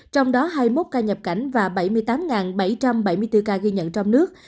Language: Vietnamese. trong đó hai mươi một ca nhập cảnh và bảy mươi tám bảy trăm bảy mươi bốn ca ghi nhận trong nước